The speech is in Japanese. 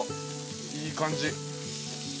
いい感じ。